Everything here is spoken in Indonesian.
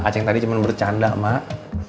aceh tadi cuma bercanda mak